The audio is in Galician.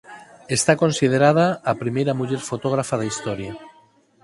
Está considerada a primeira muller fotógrafa da historia.